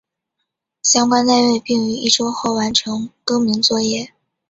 相关单位并于一周后完成更名作业。